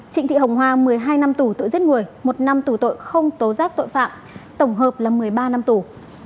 trịnh thị hồng hoa một mươi hai năm tù tội giết người một năm tù tội không tố giác tội phạm tổng hợp là một mươi ba năm tù